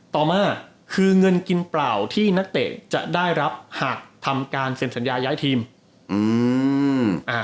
ต่อมาคือเงินกินเปล่าที่นักเตะจะได้รับหากทำการเซ็นสัญญาย้ายทีมอืมอ่า